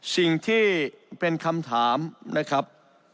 สิ่งที่เป็นคำถามนะครับ